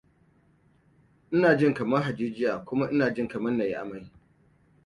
Ina jin ka man hajijiya da kuma ina jin kamar in yi amai.